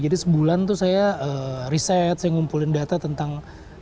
jadi sebulan itu saya riset saya ngumpulin data tentang